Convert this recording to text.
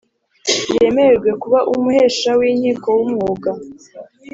yemererwe kuba umuhesha w inkiko w umwuga.